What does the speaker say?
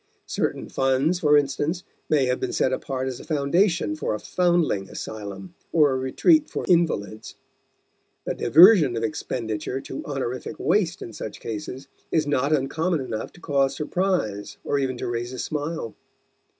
Certain funds, for instance, may have been set apart as a foundation for a foundling asylum or a retreat for invalids. The diversion of expenditure to honorific waste in such cases is not uncommon enough to cause surprise or even to raise a smile.